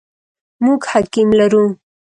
موږ حکیم لرو ؟